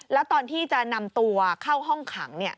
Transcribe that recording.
แล้วตอนที่จะนำตัวเข้าห้องขัง